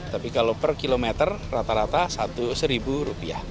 tapi kalau per kilometer rata rata rp satu